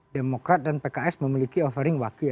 demokrat dan pks memiliki offering wakil